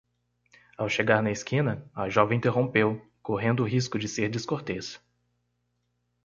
Ao chegar na esquina, a jovem interrompeu, correndo o risco de ser descortês.